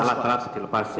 alat alatnya dilepas ya